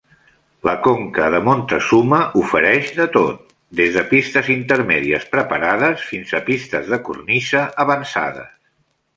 La conca de Montezuma ofereix de tot, des de pistes intermèdies preparades fins a pistes de cornisa avançades.